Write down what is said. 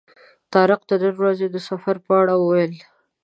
طارق د نن ورځې د سفر په اړه وویل.